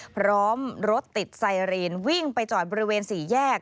พร้อมรถติดไซเรนวิ่งไปจอดบริเวณ๔แยก